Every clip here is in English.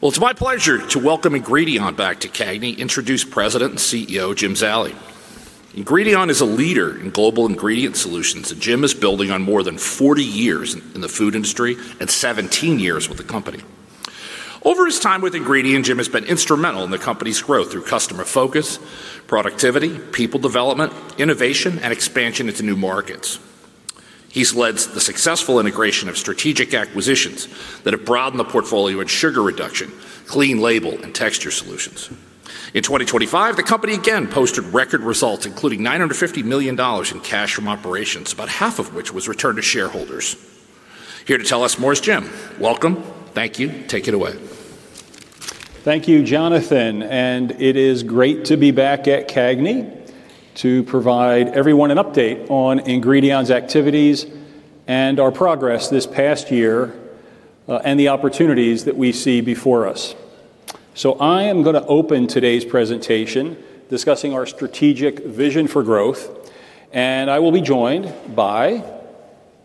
Well, it's my pleasure to welcome Ingredion back to CAGNY, introduce President and CEO, Jim Zallie. Ingredion is a leader in global ingredient solutions, and Jim is building on more than 40 years in the food industry and 17 years with the company. Over his time with Ingredion, Jim has been instrumental in the company's growth through customer focus, productivity, people development, innovation, and expansion into new markets. He's led the successful integration of strategic acquisitions that have broadened the portfolio in sugar reduction, clean label, and texture solutions. In 2025, the company again posted record results, including $950 million in cash from operations, about half of which was returned to shareholders. Here to tell us more is Jim. Welcome. Thank you. Take it away. Thank you, Jonathan, and it is great to be back at CAGNY to provide everyone an update on Ingredion's activities and our progress this past year, and the opportunities that we see before us. So I am gonna open today's presentation discussing our strategic vision for growth, and I will be joined by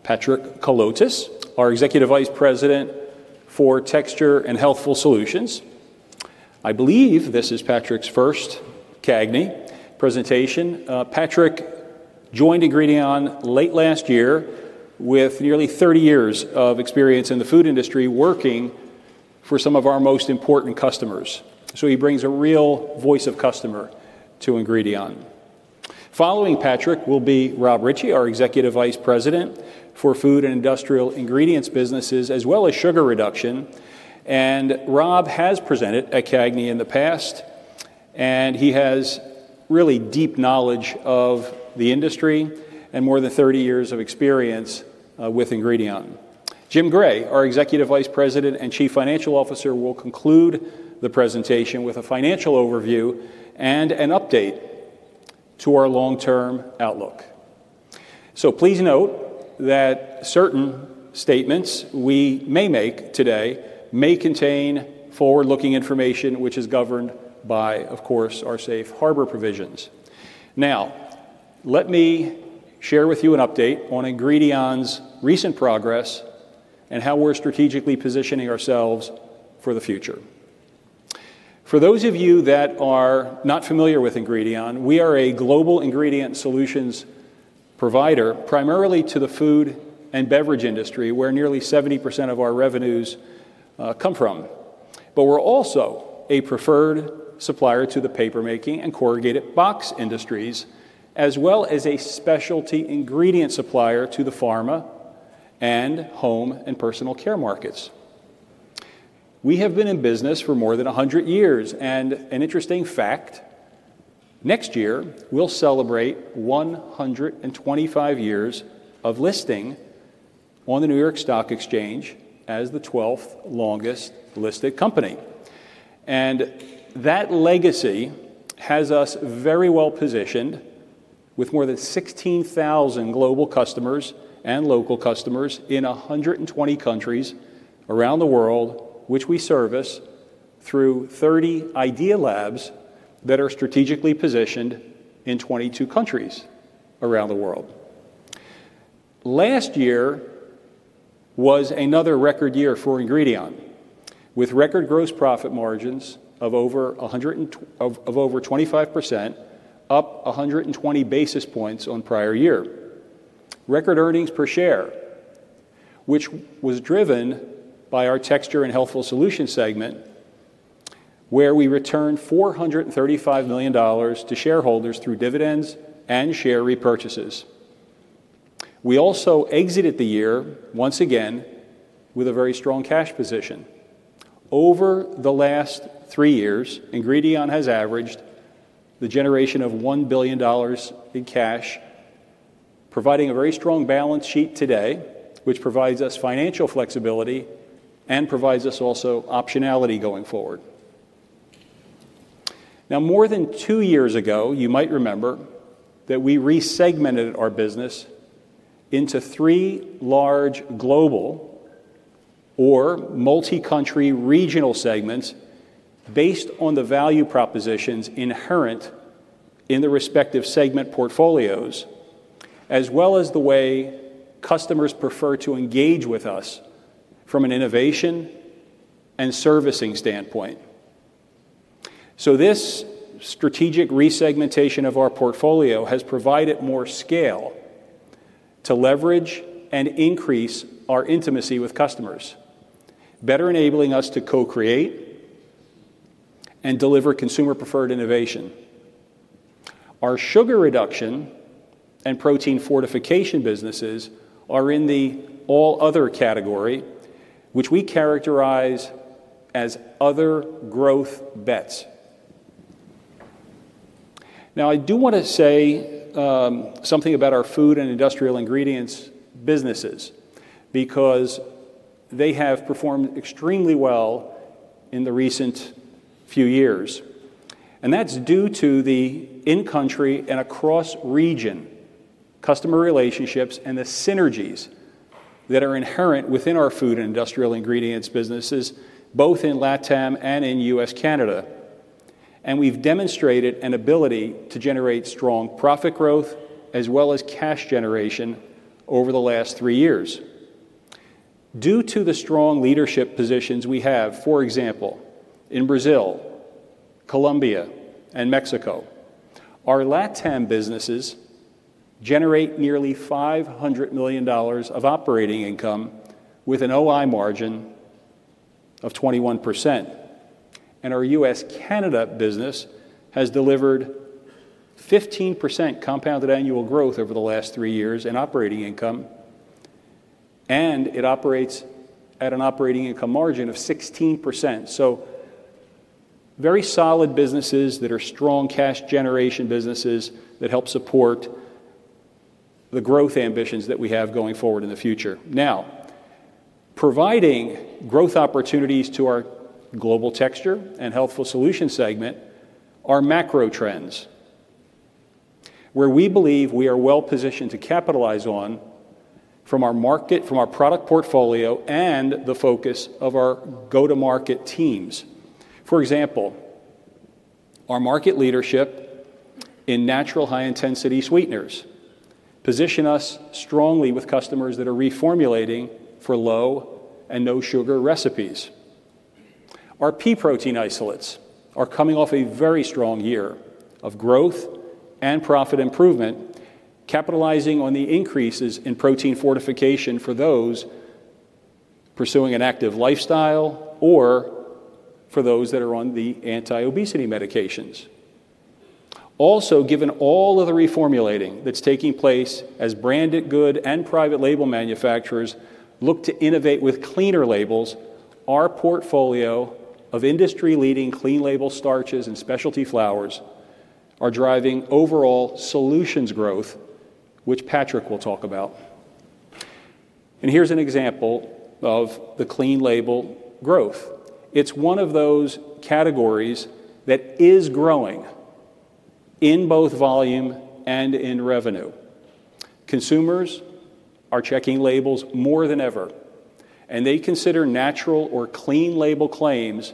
Patrick Kalotis, our Executive Vice President for Texture and Healthful Solutions. I believe this is Patrick's first CAGNY presentation. Patrick joined Ingredion late last year with nearly thirty years of experience in the food industry, working for some of our most important customers. So he brings a real voice of customer to Ingredion. Following Patrick will be Rob Ritchie, our Executive Vice President for Food and Industrial Ingredients businesses, as well as sugar reduction, and Rob has presented at CAGNY in the past, and he has really deep knowledge of the industry and more than 30 years of experience with Ingredion. Jim Gray, our Executive Vice President and Chief Financial Officer, will conclude the presentation with a financial overview and an update to our long-term outlook. So please note that certain statements we may make today may contain forward-looking information, which is governed by, of course, our safe harbor provisions. Now, let me share with you an update on Ingredion's recent progress and how we're strategically positioning ourselves for the future. For those of you that are not familiar with Ingredion, we are a global ingredient solutions provider, primarily to the food and beverage industry, where nearly 70% of our revenues come from. But we're also a preferred supplier to the paper making and corrugated box industries, as well as a specialty ingredient supplier to the pharma and home and personal care markets. We have been in business for more than 100 years, and an interesting fact, next year, we'll celebrate 125 years of listing on the New York Stock Exchange as the 12th longest-listed company. And that legacy has us very well-positioned with more than 16,000 global customers and local customers in 120 countries around the world, which we service through 30 Idea Labs that are strategically positioned in 22 countries around the world. Last year was another record year for Ingredion, with record gross profit margins of over 25%, up 120 basis points on prior year. Record earnings per share, which was driven by our Texture and Healthful Solution segment, where we returned $435 million to shareholders through dividends and share repurchases. We also exited the year, once again, with a very strong cash position. Over the last three years, Ingredion has averaged the generation of $1 billion in cash, providing a very strong balance sheet today, which provides us financial flexibility and provides us also optionality going forward. Now, more than two years ago, you might remember that we resegmented our business into three large global or multi-country regional segments based on the value propositions inherent in the respective segment portfolios, as well as the way customers prefer to engage with us from an innovation and servicing standpoint. This strategic resegmentation of our portfolio has provided more scale to leverage and increase our intimacy with customers, better enabling us to co-create and deliver consumer-preferred innovation. Our sugar reduction and protein fortification businesses are in the all other category, which we characterize as other growth bets. Now, I do want to say something about our food and industrial ingredients businesses, because they have performed extremely well in the recent few years, and that's due to the in-country and across region customer relationships and the synergies that are inherent within our food and industrial ingredients businesses, both in LATAM and in U.S., Canada. We've demonstrated an ability to generate strong profit growth, as well as cash generation over the last three years. Due to the strong leadership positions we have, for example, in Brazil, Colombia, and Mexico, our LATAM businesses generate nearly $500 million of operating income with an OI margin of 21%. Our U.S.-Canada business has delivered 15% compounded annual growth over the last three years in operating income, and it operates at an operating income margin of 16%. So very solid businesses that are strong cash generation businesses that help support the growth ambitions that we have going forward in the future. Now, providing growth opportunities to our global Texture and Healthful Solutions segment are macro trends, where we believe we are well positioned to capitalize on from our market, from our product portfolio, and the focus of our go-to-market teams. For example, our market leadership in natural high-intensity sweeteners position us strongly with customers that are reformulating for low and no sugar recipes. Our pea protein isolates are coming off a very strong year of growth and profit improvement, capitalizing on the increases in protein fortification for those pursuing an active lifestyle or for those that are on the anti-obesity medications. Also, given all of the reformulating that's taking place as branded good and private label manufacturers look to innovate with cleaner labels, our portfolio of industry-leading clean label starches and specialty flours are driving overall solutions growth, which Patrick will talk about. Here's an example of the clean label growth. It's one of those categories that is growing in both volume and in revenue. Consumers are checking labels more than ever, and they consider natural or clean label claims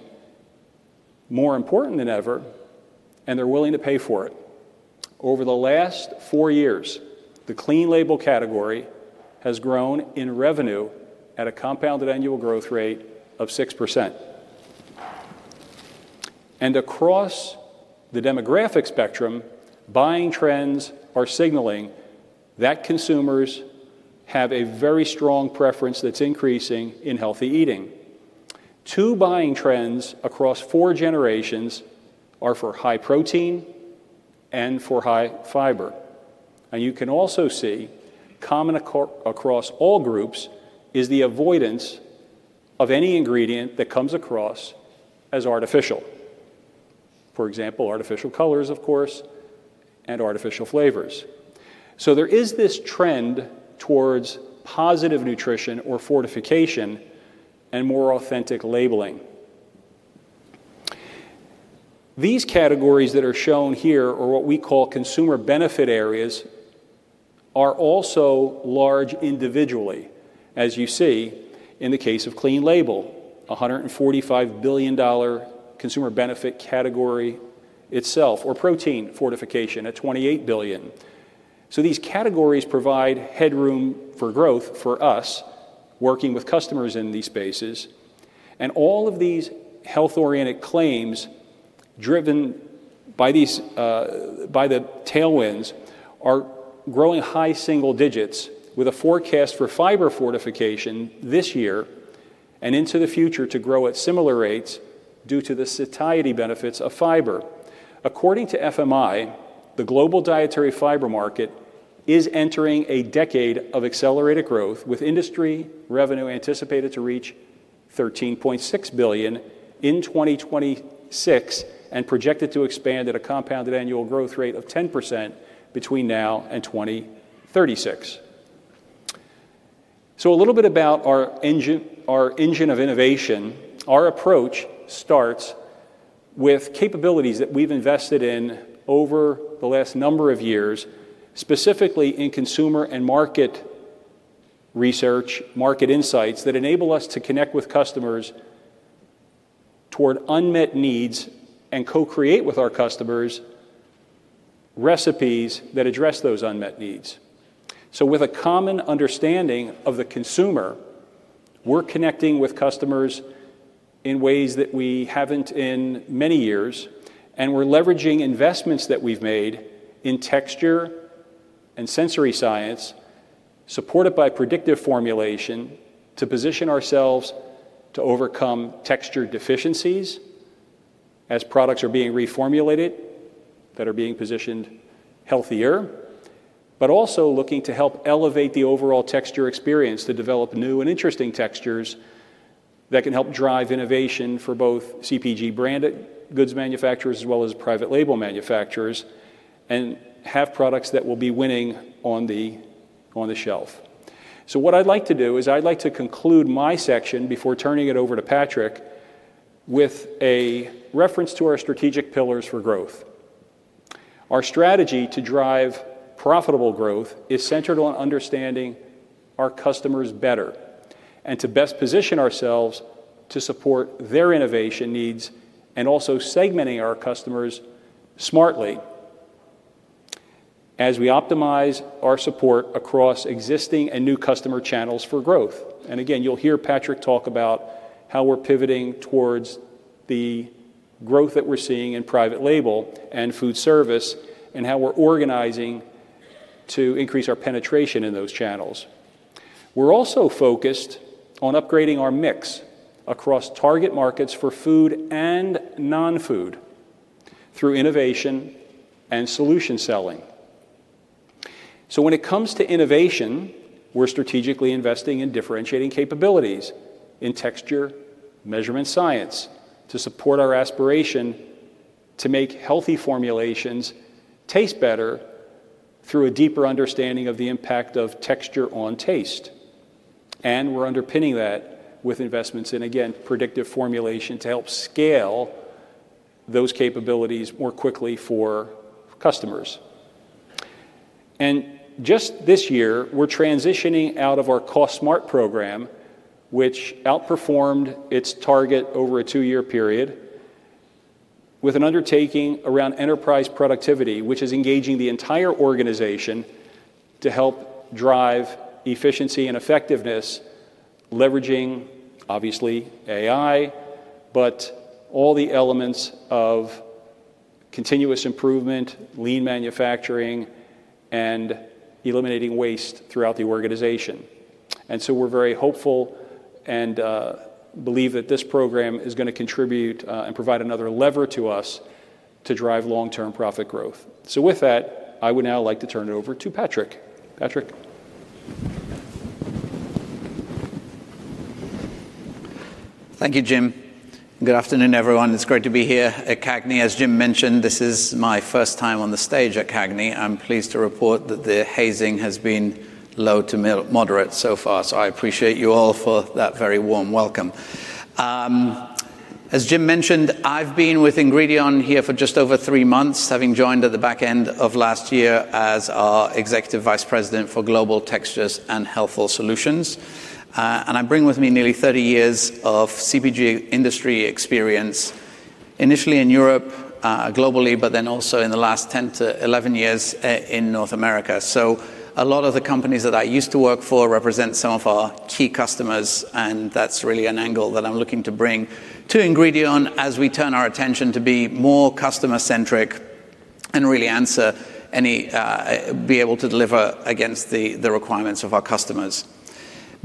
more important than ever, and they're willing to pay for it. Over the last four years, the clean label category has grown in revenue at a compounded annual growth rate of 6%. And across the demographic spectrum, buying trends are signaling that consumers have a very strong preference that's increasing in healthy eating. Two buying trends across four generations are for high protein and for high fiber. You can also see common across all groups is the avoidance of any ingredient that comes across as artificial. For example, artificial colors, of course, and artificial flavors. There is this trend towards positive nutrition or fortification and more authentic labeling. These categories that are shown here are what we call consumer benefit areas, are also large individually, as you see in the case of clean label, a $145 billion consumer benefit category itself, or protein fortification at $28 billion. These categories provide headroom for growth for us, working with customers in these spaces, and all of these health-oriented claims, driven by these, by the tailwinds, are growing high single digits with a forecast for fiber fortification this year and into the future to grow at similar rates due to the satiety benefits of fiber. According to FMI, the global dietary fiber market is entering a decade of accelerated growth, with industry revenue anticipated to reach $13.6 billion in 2026 and projected to expand at a compounded annual growth rate of 10% between now and 2036. So a little bit about our engine, our engine of innovation. Our approach starts with capabilities that we've invested in over the last number of years, specifically in consumer and market research, market insights that enable us to connect with customers toward unmet needs and co-create with our customers recipes that address those unmet needs. So with a common understanding of the consumer, we're connecting with customers in ways that we haven't in many years, and we're leveraging investments that we've made in texture and sensory science, supported by predictive formulation, to position ourselves to overcome texture deficiencies as products are being reformulated, that are being positioned healthier, but also looking to help elevate the overall texture experience to develop new and interesting textures that can help drive innovation for both CPG branded goods manufacturers as well as private label manufacturers, and have products that will be winning on the, on the shelf. So what I'd like to do is I'd like to conclude my section before turning it over to Patrick with a reference to our strategic pillars for growth. Our strategy to drive profitable growth is centered on understanding our customers better, and to best position ourselves to support their innovation needs, and also segmenting our customers smartly as we optimize our support across existing and new customer channels for growth. And again, you'll hear Patrick talk about how we're pivoting towards the growth that we're seeing in private label and food service, and how we're organizing to increase our penetration in those channels. We're also focused on upgrading our mix across target markets for food and non-food through innovation and solution selling. So when it comes to innovation, we're strategically investing in differentiating capabilities, in texture measurement science, to support our aspiration to make healthy formulations taste better through a deeper understanding of the impact of texture on taste. And we're underpinning that with investments in, again, predictive formulation to help scale those capabilities more quickly for customers. Just this year, we're transitioning out of our Cost Smart program, which outperformed its target over a two-year period, with an undertaking around enterprise productivity, which is engaging the entire organization to help drive efficiency and effectiveness, leveraging, obviously, AI, but all the elements of continuous improvement, lean manufacturing, and eliminating waste throughout the organization. So we're very hopeful and believe that this program is gonna contribute and provide another lever to us to drive long-term profit growth. With that, I would now like to turn it over to Patrick. Patrick? Thank you, Jim. Good afternoon, everyone. It's great to be here at CAGNY. As Jim mentioned, this is my first time on the stage at CAGNY. I'm pleased to report that the hazing has been low to moderate so far, so I appreciate you all for that very warm welcome. As Jim mentioned, I've been with Ingredion here for just over three months, having joined at the back end of last year as our Executive Vice President for Global Textures and Healthful Solutions. And I bring with me nearly 30 years of CPG industry experience, initially in Europe, globally, but then also in the last 10 to 11 years, in North America. So a lot of the companies that I used to work for represent some of our key customers, and that's really an angle that I'm looking to bring to Ingredion as we turn our attention to be more customer-centric and really answer any, be able to deliver against the requirements of our customers.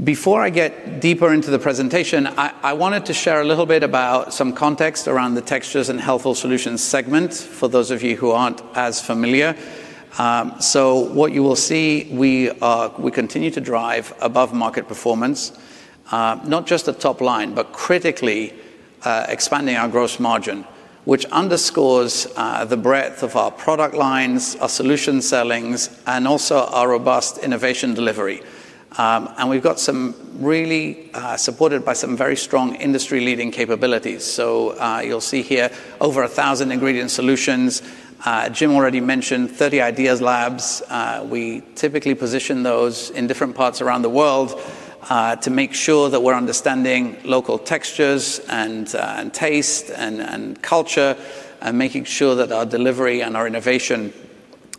Before I get deeper into the presentation, I wanted to share a little bit about some context around the Texture and Healthful Solutions segment, for those of you who aren't as familiar. So what you will see, we continue to drive above market performance, not just at top line, but critically, expanding our gross margin, which underscores the breadth of our product lines, our solution sellings, and also our robust innovation delivery. And we've got some really supported by some very strong industry-leading capabilities. So, you'll see here over 1,000 ingredient solutions. Jim already mentioned 30 Idea Labs. We typically position those in different parts around the world, to make sure that we're understanding local textures and, and taste and, and culture, and making sure that our delivery and our innovation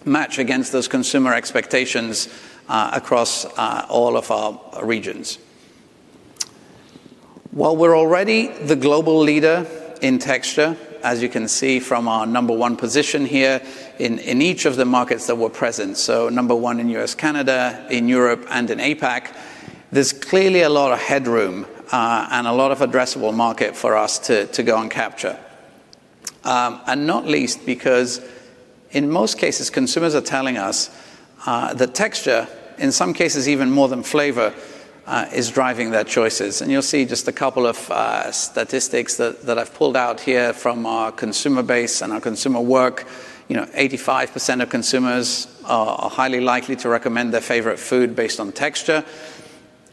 match against those consumer expectations, across, all of our regions. While we're already the global leader in texture, as you can see from our number one position here in, in each of the markets that we're present, so number one in U.S., Canada, in Europe, and in APAC, there's clearly a lot of headroom, and a lot of addressable market for us to, to go and capture. And not least because in most cases, consumers are telling us, that texture, in some cases even more than flavor, is driving their choices. You'll see just a couple of statistics that I've pulled out here from our consumer base and our consumer work. You know, 85% of consumers are highly likely to recommend their favorite food based on texture,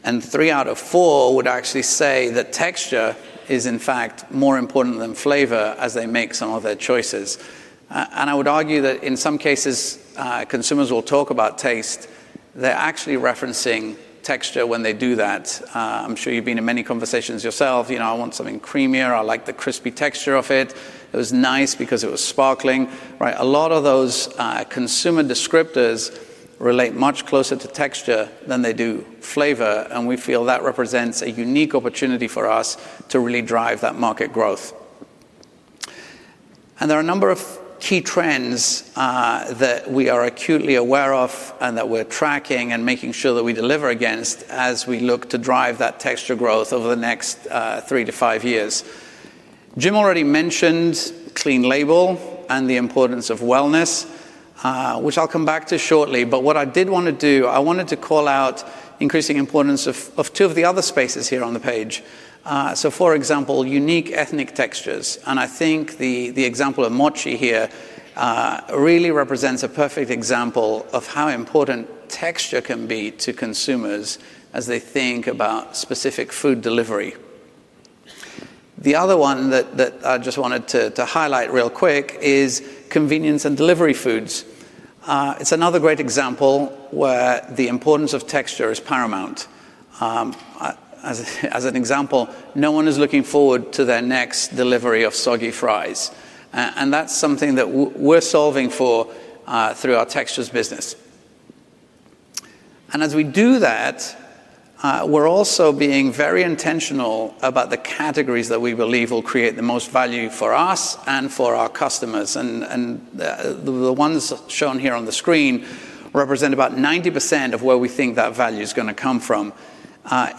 and three out of four would actually say that texture is, in fact, more important than flavor as they make some of their choices. I would argue that in some cases, consumers will talk about taste, they're actually referencing texture when they do that. I'm sure you've been in many conversations yourself. "You know, I want something creamier. I like the crispy texture of it. It was nice because it was sparkling." Right, a lot of those consumer descriptors relate much closer to texture than they do flavor, and we feel that represents a unique opportunity for us to really drive that market growth. There are a number of key trends that we are acutely aware of and that we're tracking and making sure that we deliver against as we look to drive that texture growth over the next three to five years. Jim already mentioned clean label and the importance of wellness, which I'll come back to shortly. But what I did want to do, I wanted to call out increasing importance of two of the other spaces here on the page. So for example, unique ethnic textures, and I think the example of mochi here really represents a perfect example of how important texture can be to consumers as they think about specific food delivery. The other one that I just wanted to highlight real quick is convenience and delivery foods. It's another great example where the importance of texture is paramount. As an example, no one is looking forward to their next delivery of soggy fries. That's something that we're solving for through our textures business. As we do that, we're also being very intentional about the categories that we believe will create the most value for us and for our customers. The ones shown here on the screen represent about 90% of where we think that value is going to come from.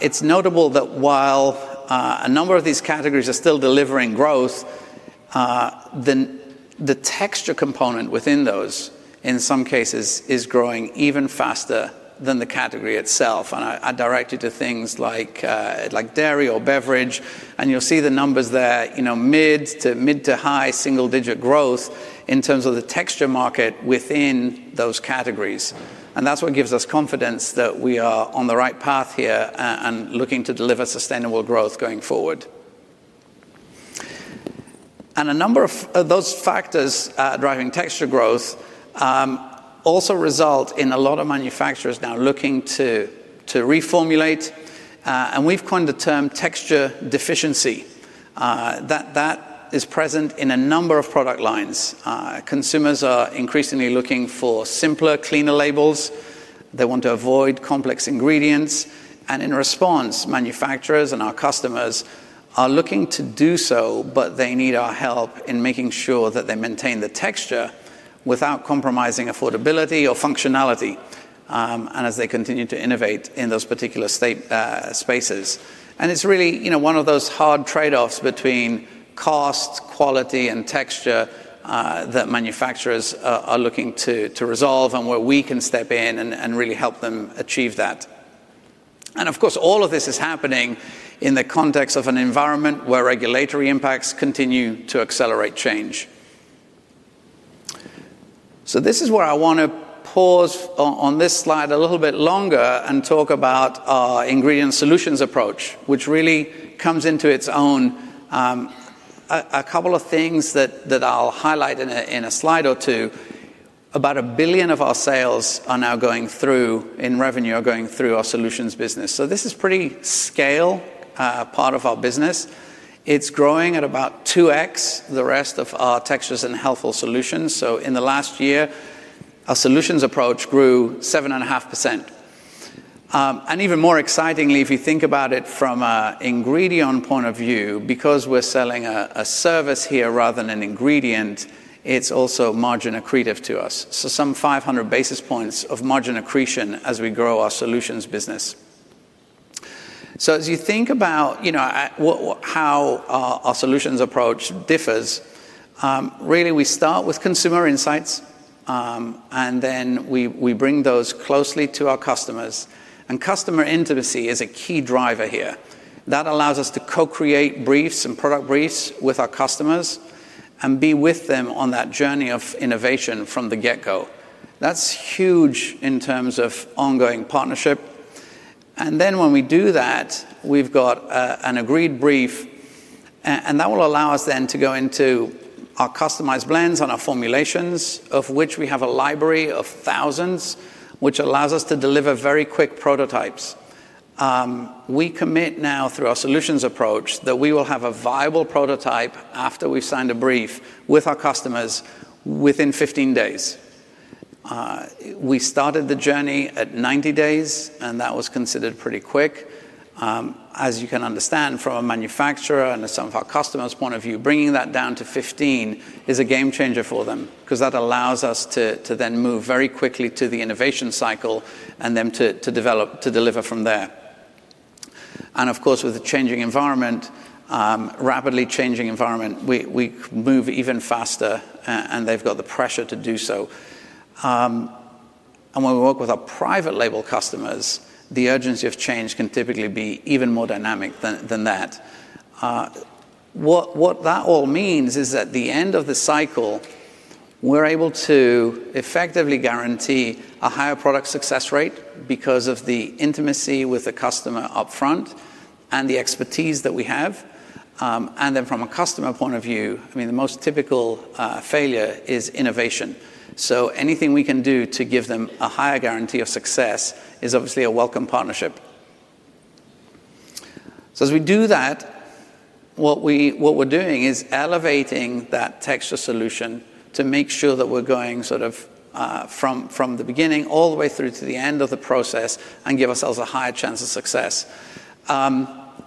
It's notable that while a number of these categories are still delivering growth, the texture component within those, in some cases, is growing even faster than the category itself. And I direct you to things like, like dairy or beverage, and you'll see the numbers there, you know, mid- to high single-digit growth in terms of the texture market within those categories. And that's what gives us confidence that we are on the right path here and looking to deliver sustainable growth going forward. And a number of those factors driving texture growth also result in a lot of manufacturers now looking to reformulate, and we've coined the term texture deficiency. That is present in a number of product lines. Consumers are increasingly looking for simpler, cleaner labels. They want to avoid complex ingredients, and in response, manufacturers and our customers are looking to do so, but they need our help in making sure that they maintain the texture without compromising affordability or functionality, and as they continue to innovate in those particular state spaces. And it's really, you know, one of those hard trade-offs between cost, quality, and texture that manufacturers are looking to resolve and where we can step in and really help them achieve that. And of course, all of this is happening in the context of an environment where regulatory impacts continue to accelerate change. So this is where I want to pause on this slide a little bit longer and talk about our ingredient solutions approach, which really comes into its own. A couple of things that I'll highlight in a slide or two, about $1 billion of our sales, in revenue, are now going through our solutions business. So this is pretty scale part of our business. It's growing at about 2x the rest of our textures and healthful solutions. So in the last year, our solutions approach grew 7.5%. And even more excitingly, if you think about it from an Ingredion point of view, because we're selling a service here rather than an ingredient, it's also margin accretive to us. So some 500 basis points of margin accretion as we grow our solutions business. So as you think about, you know, what, how our solutions approach differs, really, we start with consumer insights, and then we bring those closely to our customers. And customer intimacy is a key driver here. That allows us to co-create briefs and product briefs with our customers and be with them on that journey of innovation from the get-go. That's huge in terms of ongoing partnership, and then when we do that, we've got an agreed brief, and that will allow us then to go into our customized blends and our formulations, of which we have a library of thousands, which allows us to deliver very quick prototypes. We commit now through our solutions approach, that we will have a viable prototype after we've signed a brief with our customers within 15 days. We started the journey at 90 days, and that was considered pretty quick. As you can understand from a manufacturer and some of our customers' point of view, bringing that down to 15 is a game changer for them because that allows us to then move very quickly to the innovation cycle and then to develop, to deliver from there. And of course, with the changing environment, rapidly changing environment, we move even faster, and they've got the pressure to do so. And when we work with our private label customers, the urgency of change can typically be even more dynamic than that. What that all means is at the end of the cycle, we're able to effectively guarantee a higher product success rate because of the intimacy with the customer upfront and the expertise that we have. And then from a customer point of view, I mean, the most typical failure is innovation. So anything we can do to give them a higher guarantee of success is obviously a welcome partnership. So as we do that, what we're doing is elevating that texture solution to make sure that we're going sort of from the beginning all the way through to the end of the process and give ourselves a higher chance of success.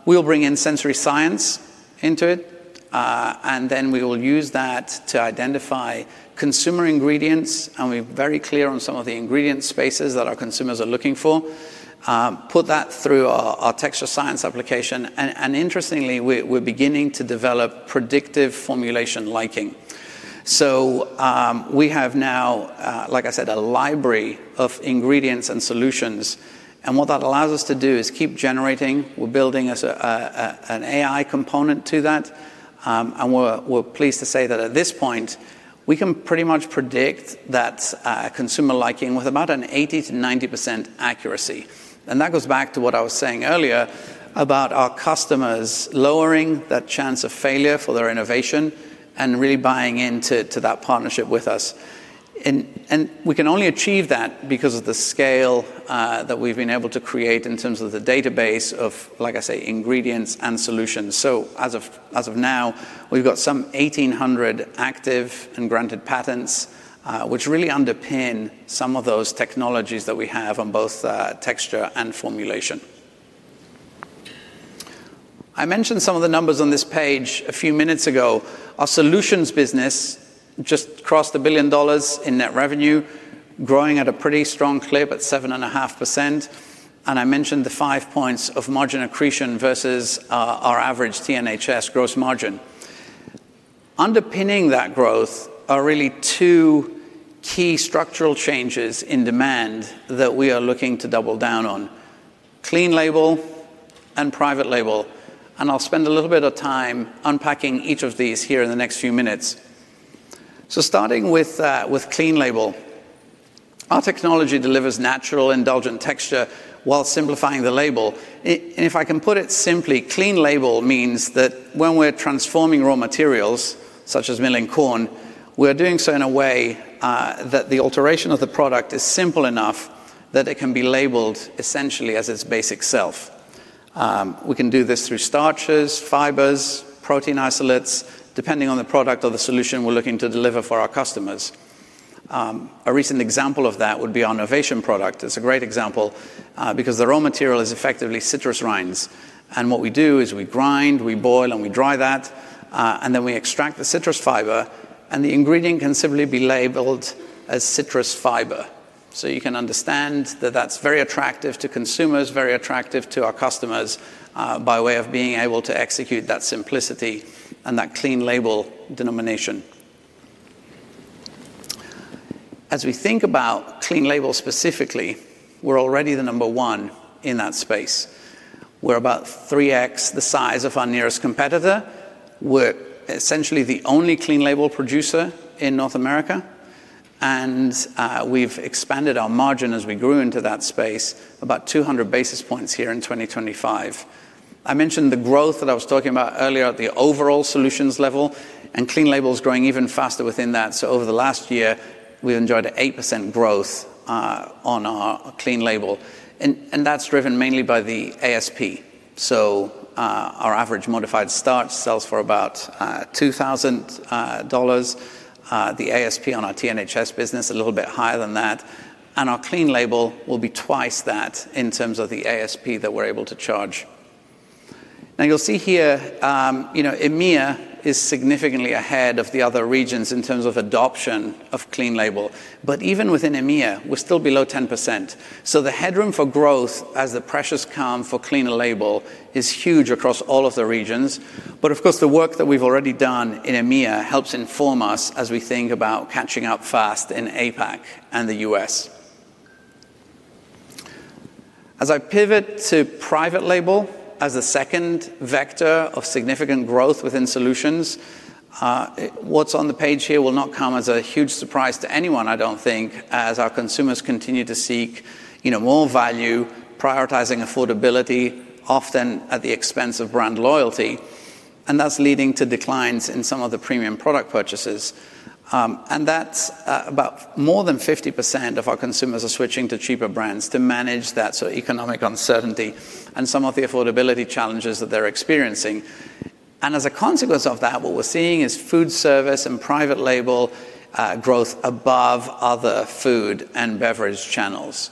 We'll bring in sensory science into it, and then we will use that to identify consumer ingredients, and we're very clear on some of the ingredient spaces that our consumers are looking for. Put that through our texture science application, and interestingly, we're beginning to develop predictive formulation liking. So, we have now, like I said, a library of ingredients and solutions, and what that allows us to do is keep generating. We're building as a, a, an AI component to that. And we're pleased to say that at this point, we can pretty much predict that, consumer liking with about an 80%-90% accuracy. And that goes back to what I was saying earlier about our customers lowering that chance of failure for their innovation and really buying into, to that partnership with us. And we can only achieve that because of the scale that we've been able to create in terms of the database of, like I say, ingredients and solutions. So as of, as of now, we've got some 1,800 active and granted patents, which really underpin some of those technologies that we have on both, texture and formulation. I mentioned some of the numbers on this page a few minutes ago. Our solutions business just crossed $1 billion in net revenue, growing at a pretty strong clip at 7.5%, and I mentioned the five points of margin accretion versus our, our average TNHS gross margin. Underpinning that growth are really two key structural changes in demand that we are looking to double down on: clean label and private label, and I'll spend a little bit of time unpacking each of these here in the next few minutes. So starting with, with clean label. Our technology delivers natural, indulgent texture while simplifying the label. If I can put it simply, clean label means that when we're transforming raw materials, such as milling corn, we are doing so in a way that the alteration of the product is simple enough that it can be labeled essentially as its basic self. We can do this through starches, fibers, protein isolates, depending on the product or the solution we're looking to deliver for our customers. A recent example of that would be our Novation product. It's a great example, because the raw material is effectively citrus rinds, and what we do is we grind, we boil, and we dry that, and then we extract the citrus fiber, and the ingredient can simply be labeled as citrus fiber. So you can understand that that's very attractive to consumers, very attractive to our customers, by way of being able to execute that simplicity and that clean label denomination. As we think about clean label specifically, we're already the number one in that space. We're about 3x the size of our nearest competitor. We're essentially the only clean label producer in North America, and, we've expanded our margin as we grew into that space, about 200 basis points here in 2025. I mentioned the growth that I was talking about earlier at the overall solutions level, and clean label is growing even faster within that. So over the last year, we've enjoyed an 8% growth, on our clean label, and that's driven mainly by the ASP. So, our average modified starch sells for about, $2,000. The ASP on our TNHS business, a little bit higher than that, and our clean label will be twice that in terms of the ASP that we're able to charge. Now, you'll see here, you know, EMEA is significantly ahead of the other regions in terms of adoption of clean label, but even within EMEA, we're still below 10%. So the headroom for growth as the pressures come for cleaner label is huge across all of the regions. But of course, the work that we've already done in EMEA helps inform us as we think about catching up fast in APAC and the U.S. As I pivot to private label as a second vector of significant growth within solutions, what's on the page here will not come as a huge surprise to anyone, I don't think, as our consumers continue to seek, you know, more value, prioritizing affordability, often at the expense of brand loyalty, and that's leading to declines in some of the premium product purchases. And that's about more than 50% of our consumers are switching to cheaper brands to manage that sort of economic uncertainty and some of the affordability challenges that they're experiencing. And as a consequence of that, what we're seeing is food service and private label growth above other food and beverage channels.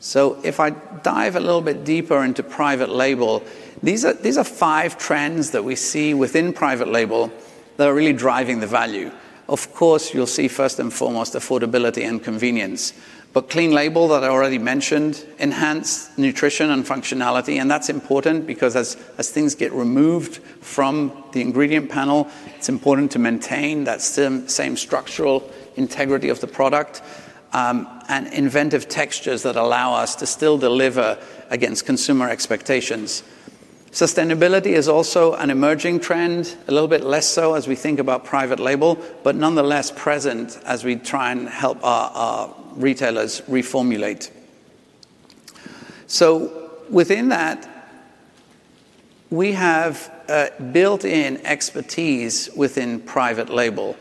So if I dive a little bit deeper into private label, these are five trends that we see within private label that are really driving the value. Of course, you'll see first and foremost, affordability and convenience, but clean label that I already mentioned, enhanced nutrition and functionality, and that's important because things get removed from the ingredient panel, it's important to maintain that same structural integrity of the product, and inventive textures that allow us to still deliver against consumer expectations. Sustainability is also an emerging trend, a little bit less so as we think about private label, but nonetheless present as we try and help our retailers reformulate. So within that, we have built-in expertise within private label.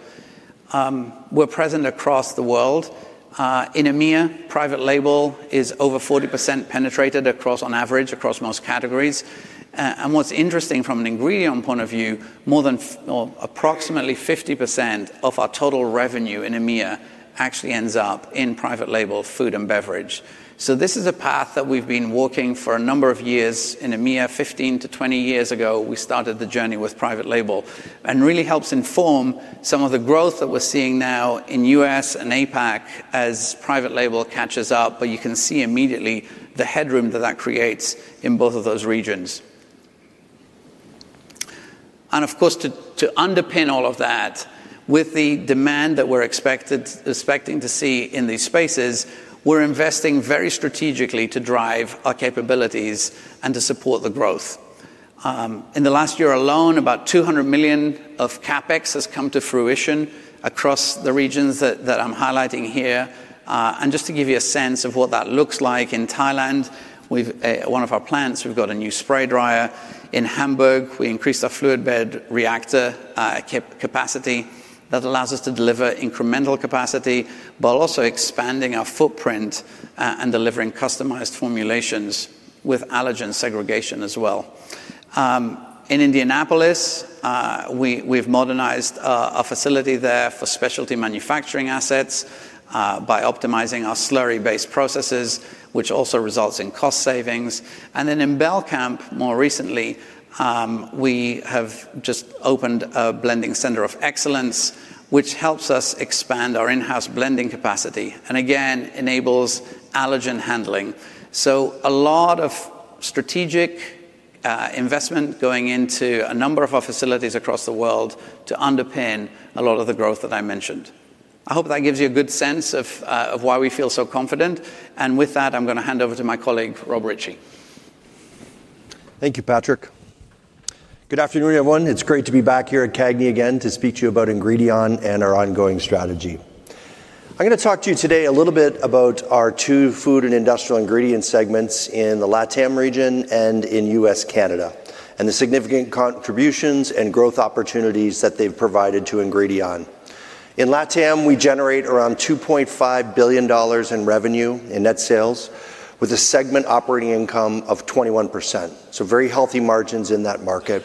We're present across the world. In EMEA, private label is over 40% penetrated across, on average, across most categories. And what's interesting from an ingredient point of view, more than or approximately 50% of our total revenue in EMEA actually ends up in private label food and beverage. So this is a path that we've been walking for a number of years in EMEA. 15-20 years ago, we started the journey with private label, and really helps inform some of the growth that we're seeing now in U.S. and APAC as private label catches up, but you can see immediately the headroom that that creates in both of those regions. And of course, to underpin all of that, with the demand that we're expecting to see in these spaces, we're investing very strategically to drive our capabilities and to support the growth. In the last year alone, about $200 million of CapEx has come to fruition across the regions that I'm highlighting here. And just to give you a sense of what that looks like, in Thailand, we've one of our plants, we've got a new spray dryer. In Hamburg, we increased our fluid bed reactor capacity. That allows us to deliver incremental capacity, while also expanding our footprint and delivering customized formulations with allergen segregation as well. In Indianapolis, we we've modernized a facility there for specialty manufacturing assets by optimizing our slurry-based processes, which also results in cost savings. And then in Belcamp, more recently, we have just opened a blending center of excellence, which helps us expand our in-house blending capacity, and again, enables allergen handling. A lot of strategic investment going into a number of our facilities across the world to underpin a lot of the growth that I mentioned. I hope that gives you a good sense of why we feel so confident, and with that, I'm gonna hand over to my colleague, Rob Ritchie. Thank you, Patrick. Good afternoon, everyone. It's great to be back here at CAGNY again to speak to you about Ingredion and our ongoing strategy. I'm gonna talk to you today a little bit about our two food and industrial ingredient segments in the LATAM region and in U.S., Canada, and the significant contributions and growth opportunities that they've provided to Ingredion. In LATAM, we generate around $2.5 billion in revenue, in net sales, with a segment operating income of 21%, so very healthy margins in that market.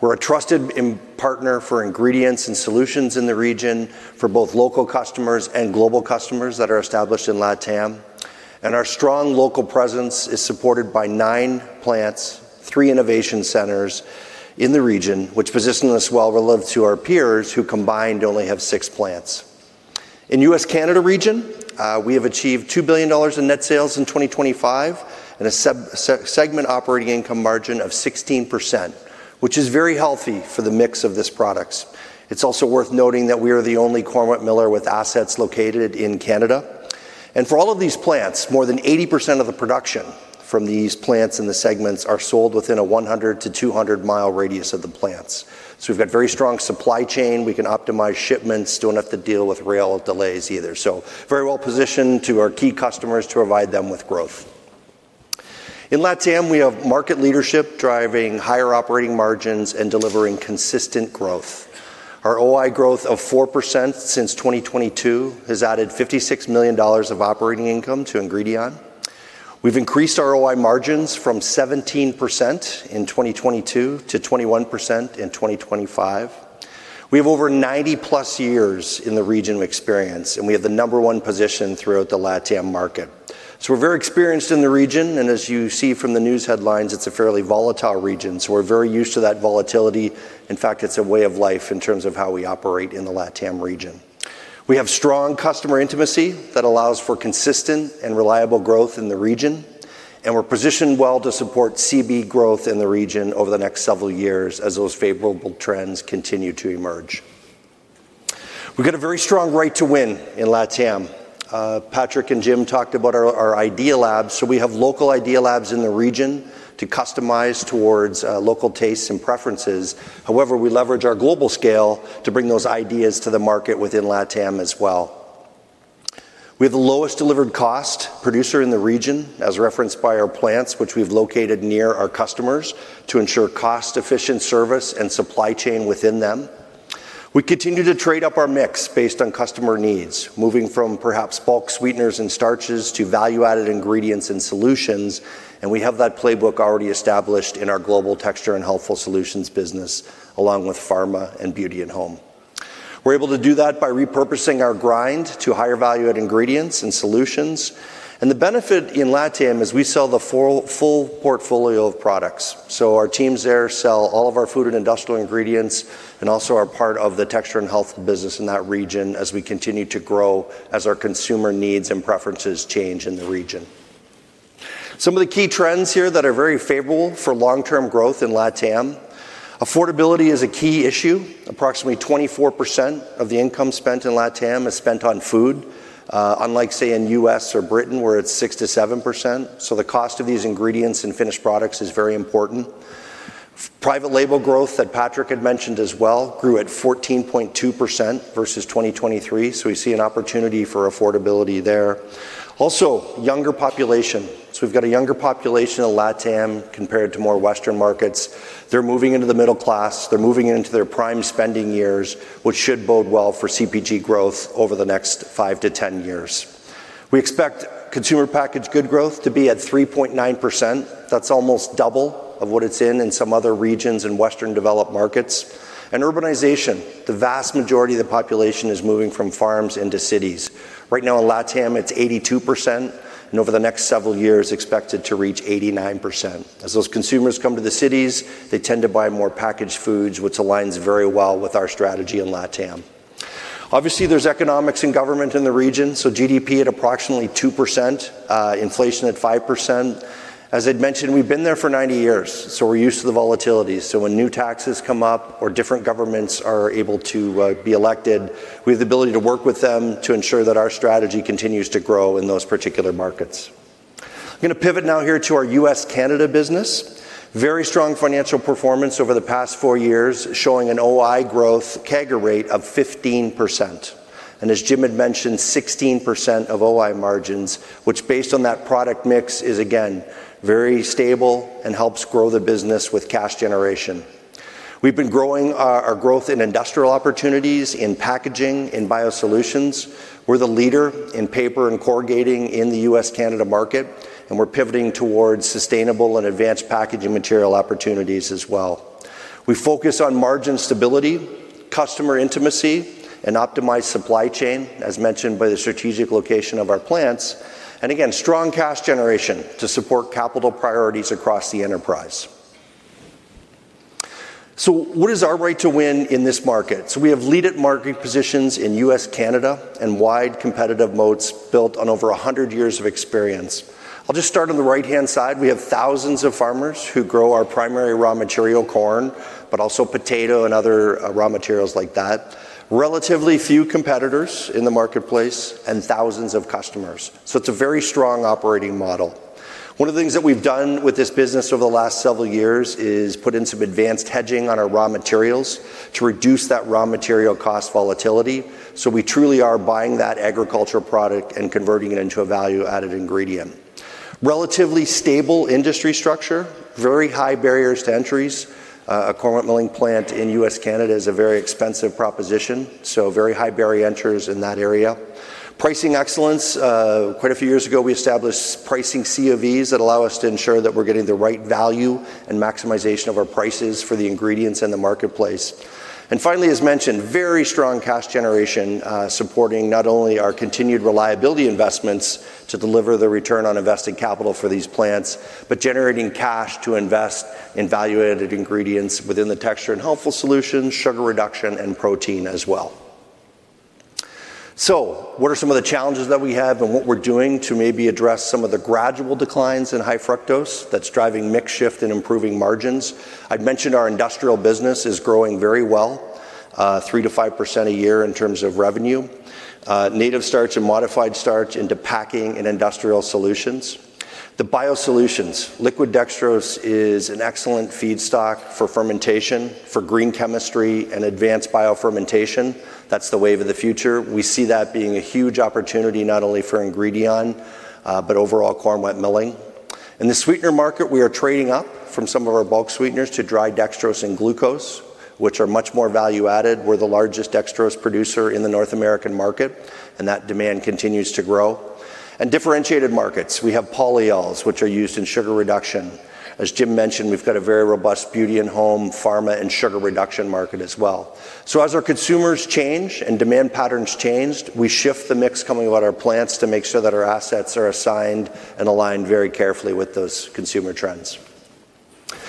We're a trusted partner for ingredients and solutions in the region for both local customers and global customers that are established in LATAM. And our strong local presence is supported by nine plants, three innovation centers in the region, which positions us well relative to our peers, who combined only have six plants. In U.S., Canada region, we have achieved $2 billion in net sales in 2025, and a sub-segment operating income margin of 16%, which is very healthy for the mix of this products. It's also worth noting that we are the only corn wet miller with assets located in Canada. And for all of these plants, more than 80% of the production from these plants and the segments are sold within a 100- to 200-mile radius of the plants. So we've got very strong supply chain. We can optimize shipments. Don't have to deal with rail delays either, so very well positioned to our key customers to provide them with growth. In LATAM, we have market leadership driving higher operating margins and delivering consistent growth. Our OI growth of 4% since 2022 has added $56 million of operating income to Ingredion. We've increased our OI margins from 17% in 2022 to 21% in 2025. We have over 90+ years in the region of experience, and we have the number one position throughout the LATAM market. So we're very experienced in the region, and as you see from the news headlines, it's a fairly volatile region, so we're very used to that volatility. In fact, it's a way of life in terms of how we operate in the LATAM region. We have strong customer intimacy that allows for consistent and reliable growth in the region, and we're positioned well to support CPG growth in the region over the next several years as those favorable trends continue to emerge. We've got a very strong right to win in LATAM. Patrick and Jim talked about our, our Idea Labs. So we have local Idea Labs in the region to customize towards local tastes and preferences. However, we leverage our global scale to bring those ideas to the market within LATAM as well. We have the lowest delivered cost producer in the region, as referenced by our plants, which we've located near our customers to ensure cost-efficient service and supply chain within them. We continue to trade up our mix based on customer needs, moving from perhaps bulk sweeteners and starches to value-added ingredients and solutions, and we have that playbook already established in our global Texture and Healthful Solutions business, along with pharma and Beauty at Home. We're able to do that by repurposing our grind to higher value-added ingredients and solutions, and the benefit in LATAM is we sell the full, full portfolio of products. So our teams there sell all of our food and industrial ingredients and also are part of the Texture and Healthful business in that region as we continue to grow as our consumer needs and preferences change in the region. Some of the key trends here that are very favorable for long-term growth in LATAM, affordability is a key issue. Approximately 24% of the income spent in LATAM is spent on food, unlike, say, in U.S. or Britain, where it's 6%-7%, so the cost of these ingredients and finished products is very important. Private label growth that Patrick had mentioned as well grew at 14.2% versus 2023, so we see an opportunity for affordability there. Also, younger population. So we've got a younger population in LATAM compared to more Western markets. They're moving into the middle class. They're moving into their prime spending years, which should bode well for CPG growth over the next five-10 years. We expect consumer packaged good growth to be at 3.9%. That's almost double of what it's in in some other regions in Western developed markets. Urbanization, the vast majority of the population is moving from farms into cities. Right now in LATAM, it's 82%, and over the next several years, expected to reach 89%. As those consumers come to the cities, they tend to buy more packaged foods, which aligns very well with our strategy in LATAM. Obviously, there's economics and government in the region, so GDP at approximately 2%, inflation at 5%. As I'd mentioned, we've been there for 90 years, so we're used to the volatility. So when new taxes come up or different governments are able to be elected, we have the ability to work with them to ensure that our strategy continues to grow in those particular markets. I'm gonna pivot now here to our U.S., Canada business. Very strong financial performance over the past four years, showing an OI growth CAGR rate of 15%. And as Jim had mentioned, 16% OI margins, which based on that product mix, is again very stable and helps grow the business with cash generation. We've been growing our growth in industrial opportunities, in packaging, in biosolutions. We're the leader in paper and corrugating in the U.S., Canada market, and we're pivoting towards sustainable and advanced packaging material opportunities as well. We focus on margin stability, customer intimacy, and optimized supply chain, as mentioned by the strategic location of our plants, and again, strong cash generation to support capital priorities across the enterprise. So what is our right to win in this market? We have leading market positions in U.S., Canada, and LATAM with competitive moats built on over a hundred years of experience. I'll just start on the right-hand side. We have thousands of farmers who grow our primary raw material, corn, but also potato and other raw materials like that. Relatively few competitors in the marketplace and thousands of customers. It's a very strong operating model. One of the things that we've done with this business over the last several years is put in some advanced hedging on our raw materials to reduce that raw material cost volatility. So we truly are buying that agricultural product and converting it into a value-added ingredient. Relatively stable industry structure, very high barriers to entry. A corn wet milling plant in U.S., Canada is a very expensive proposition, so very high barriers to entry in that area. Pricing excellence, quite a few years ago, we established pricing COVs that allow us to ensure that we're getting the right value and maximization of our prices for the ingredients in the marketplace. And finally, as mentioned, very strong cash generation, supporting not only our continued reliability investments to deliver the return on invested capital for these plants, but generating cash to invest in value-added ingredients within the Texture and Healthful Solutions, sugar reduction, and protein as well. So what are some of the challenges that we have, and what we're doing to maybe address some of the gradual declines in high fructose that's driving mix shift and improving margins? I've mentioned our industrial business is growing very well, 3%-5% a year in terms of revenue. Native starch and modified starch into packing and industrial solutions. The biosolutions, liquid dextrose is an excellent feedstock for fermentation, for green chemistry, and advanced biofermentation. That's the wave of the future. We see that being a huge opportunity, not only for Ingredion, but overall corn wet milling. In the sweetener market, we are trading up from some of our bulk sweeteners to dry dextrose and glucose, which are much more value-added. We're the largest dextrose producer in the North American market, and that demand continues to grow. Differentiated markets, we have polyols, which are used in sugar reduction. As Jim mentioned, we've got a very robust beauty and home, pharma, and sugar reduction market as well. As our consumers change and demand patterns changed, we shift the mix coming out of our plants to make sure that our assets are assigned and aligned very carefully with those consumer trends.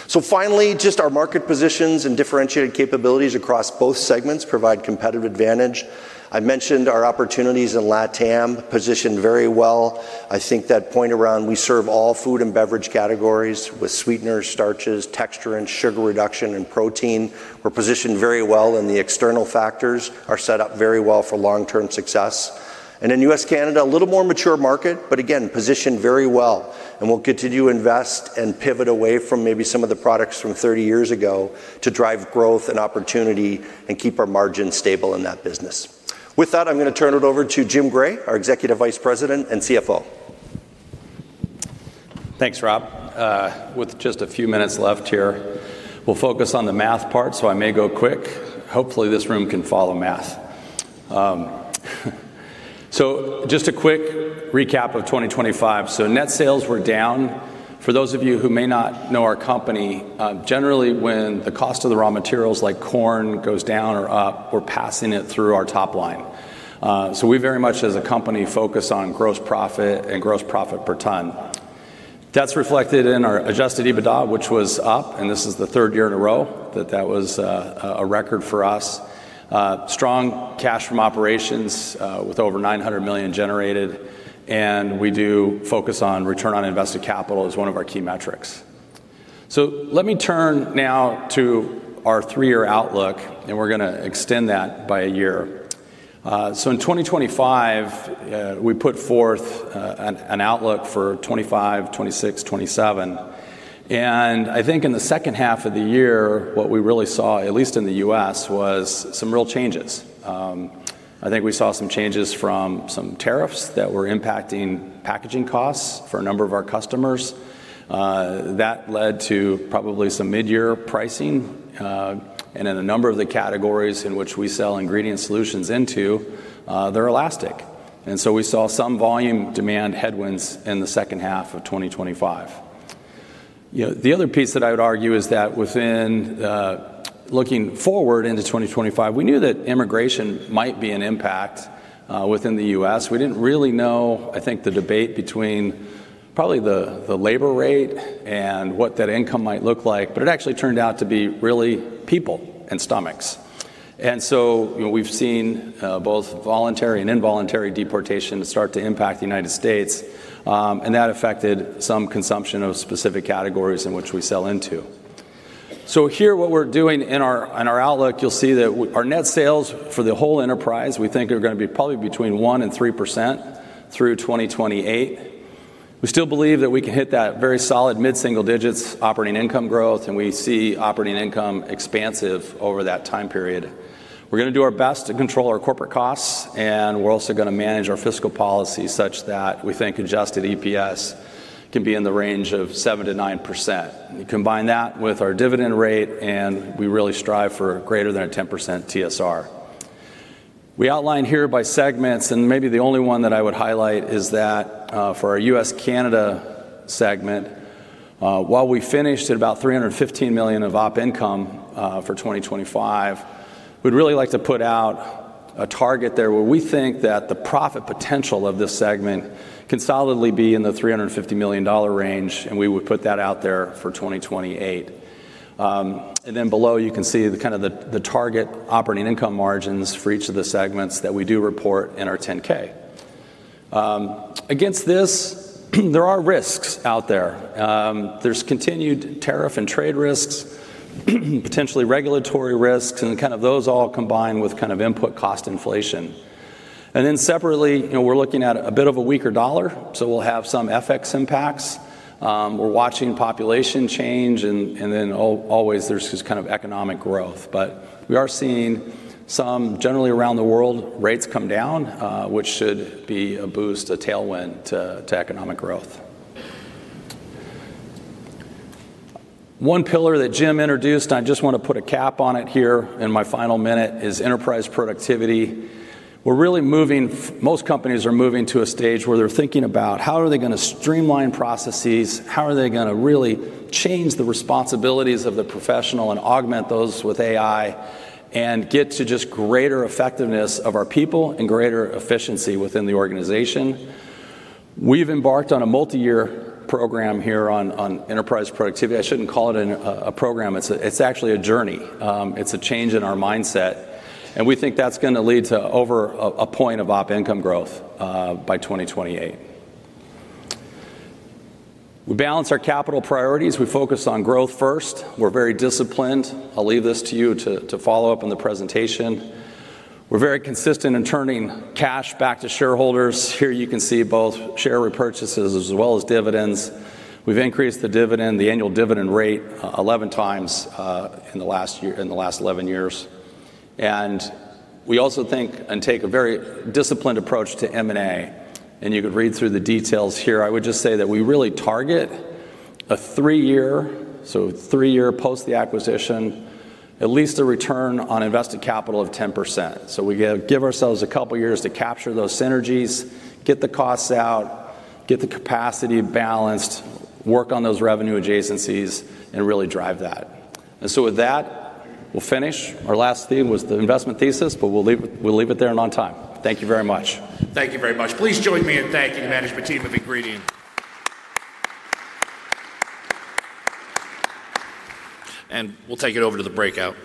Finally, just our market positions and differentiated capabilities across both segments provide competitive advantage. I mentioned our opportunities in LATAM positioned very well. I think that point around, we serve all food and beverage categories with sweeteners, starches, texture, and sugar reduction, and protein. We're positioned very well, and the external factors are set up very well for long-term success. In U.S., Canada, a little more mature market, but again, positioned very well. We'll continue to invest and pivot away from maybe some of the products from 30 years ago to drive growth and opportunity and keep our margins stable in that business. With that, I'm gonna turn it over to Jim Gray, our Executive Vice President and CFO. Thanks, Rob. With just a few minutes left here, we'll focus on the math part, so I may go quick. Hopefully, this room can follow math. So just a quick recap of 2025. So net sales were down. For those of you who may not know our company, generally, when the cost of the raw materials, like corn, goes down or up, we're passing it through our top line. So we very much, as a company, focus on gross profit and gross profit per ton. That's reflected in our adjusted EBITDA, which was up, and this is the third year in a row that was a record for us. Strong cash from operations, with over $900 million generated, and we do focus on return on invested capital as one of our key metrics. So let me turn now to our three-year outlook, and we're gonna extend that by a year. So in 2025, we put forth an outlook for 2025, 2026, 2027, and I think in the second half of the year, what we really saw, at least in the U.S., was some real changes. I think we saw some changes from some tariffs that were impacting packaging costs for a number of our customers. That led to probably some mid-year pricing, and in a number of the categories in which we sell ingredient solutions into, they're elastic, and so we saw some volume demand headwinds in the second half of 2025. You know, the other piece that I would argue is that within, looking forward into 2025, we knew that immigration might be an impact within the U.S. We didn't really know, I think, the debate between probably the, the labor rate and what that income might look like, but it actually turned out to be really people and stomachs. And so, you know, we've seen both voluntary and involuntary deportation start to impact the United States, and that affected some consumption of specific categories in which we sell into. So here what we're doing in our outlook, you'll see that our net sales for the whole enterprise, we think, are gonna be probably between 1% and 3% through 2028. We still believe that we can hit that very solid mid-single digits operating income growth, and we see operating income expansive over that time period. We're gonna do our best to control our corporate costs, and we're also gonna manage our fiscal policy such that we think adjusted EPS can be in the range of 7%-9%. You combine that with our dividend rate, and we really strive for greater than a 10% TSR. We outlined here by segments, and maybe the only one that I would highlight is that, for our U.S., Canada segment, while we finished at about $315 million of op income for 2025, we'd really like to put out a target there where we think that the profit potential of this segment can solidly be in the $350 million range, and we would put that out there for 2028. Then below, you can see the kind of target operating income margins for each of the segments that we do report in our 10-K. Against this, there are risks out there. There's continued tariff and trade risks, potentially regulatory risks, and kind of those all combine with kind of input cost inflation. And then separately, you know, we're looking at a bit of a weaker dollar, so we'll have some FX impacts. We're watching population change and then always there's this kind of economic growth. But we are seeing some, generally around the world, rates come down, which should be a boost, a tailwind to economic growth. One pillar that Jim introduced, and I just want to put a cap on it here in my final minute, is enterprise productivity. We're really moving. Most companies are moving to a stage where they're thinking about: How are they gonna streamline processes? How are they gonna really change the responsibilities of the professional and augment those with AI and get to just greater effectiveness of our people and greater efficiency within the organization? We've embarked on a multi-year program here on enterprise productivity. I shouldn't call it a program. It's actually a journey. It's a change in our mindset, and we think that's gonna lead to over a point of operating income growth by 2028. We balance our capital priorities. We focus on growth first. We're very disciplined. I'll leave this to you to follow up on the presentation. We're very consistent in turning cash back to shareholders. Here you can see both share repurchases as well as dividends. We've increased the dividend, the annual dividend rate, 11 times in the last 11 years. We also think and take a very disciplined approach to M&A, and you could read through the details here. I would just say that we really target a three-year, so three-year post the acquisition, at least a return on invested capital of 10%. So we give, give ourselves a couple of years to capture those synergies, get the costs out, get the capacity balanced, work on those revenue adjacencies, and really drive that. And so with that, we'll finish. Our last theme was the investment thesis, but we'll leave, we'll leave it there and on time. Thank you very much. Thank you very much. Please join me in thanking the management team of Ingredion. We'll take it over to the breakout.